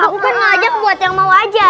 aku kan ngajak buat yang mau aja